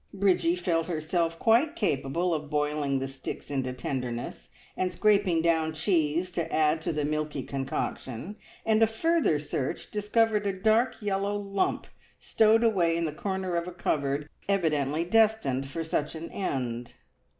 Bridgie felt herself quite capable of boiling the sticks into tenderness, and scraping down cheese to add to the milky concoction, and a further search discovered a dark yellow lump stowed away in the corner of a cupboard evidently destined for such an end.